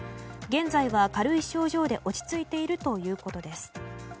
現在は、軽い症状で落ち着いているということです。